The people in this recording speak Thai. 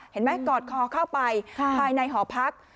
เห็นไหมกอดคอเข้าไปภายในหอพัก